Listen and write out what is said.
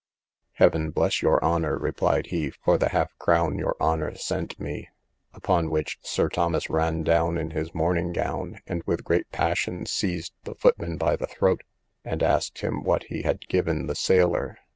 Heaven bless your honour, replied he, for the half crown your honour sent me; upon which Sir Thomas ran down in his morning gown, and with great passion seized the footman by the throat, and asked him what he had given the sailor.